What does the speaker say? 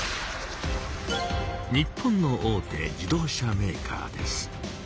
日本の大手自動車メーカーです。